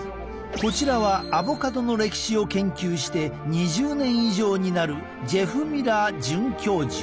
こちらはアボカドの歴史を研究して２０年以上になるジェフ・ミラー准教授。